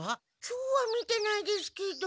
今日は見てないですけど。